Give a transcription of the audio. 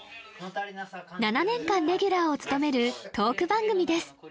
７年間レギュラーを務めるトーク番組です